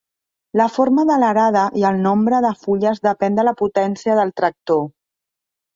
La forma de l'arada i el nombre de fulles depèn de la potència del tractor.